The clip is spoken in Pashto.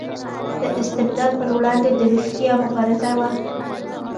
د استبداد پر وړاندې د ویښتیا مبارزه وه.